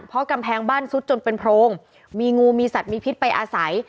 เพราะกำแพงบ้านซุดจนเป็นโพรงมีงูมีสัตว์มีพิษไปอาศัย